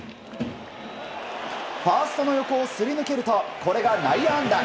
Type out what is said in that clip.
ファーストの横をすり抜けるとこれが内野安打。